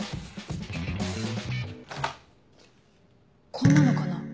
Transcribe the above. こんなのかな？